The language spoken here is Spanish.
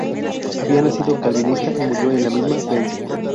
Había nacido calvinista y murió en la misma creencia.